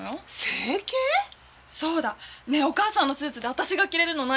そうだ！ねぇお母さんのスーツで私が着られるのないかな？